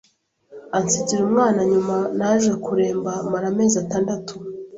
ansigira umwana nyuma naje kuremba mara amezi atandatu